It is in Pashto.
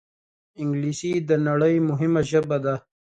انګلیسي د نړۍ مهمه ژبه ده